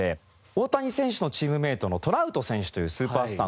大谷選手のチームメートのトラウト選手というスーパースターの選手がいまして。